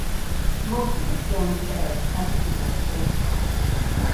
Most of this zone is arid and unsuitable for grape growing.